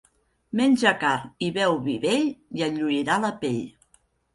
Menja carn i beu vi vell i et lluirà la pell.